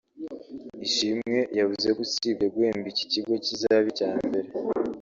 Ishimwe yavuze ko usibye guhemba ikigo kizaba icya mbere